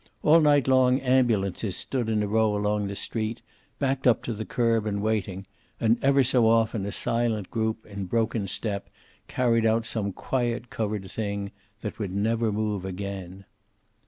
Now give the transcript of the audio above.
All night long ambulances stood in a row along the street, backed up to the curb and waiting, and ever so often a silent group, in broken step, carried out some quiet covered thing that would never move again.